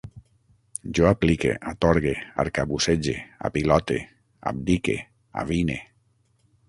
Jo aplique, atorgue, arcabussege, apilote, abdique, avine